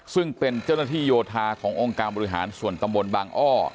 ซึ่งเป็นเจ้าหน้าที่โยธาขององค์การบริหารส่วนตำบลบางอ้อ